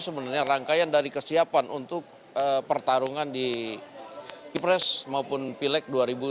sebenarnya rangkaian dari kesiapan untuk pertarungan di pilpres maupun pileg dua ribu sembilan belas